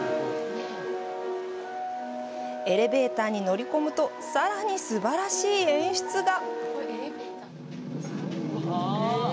エレベーターに乗り込むとさらに、すばらしい演出が。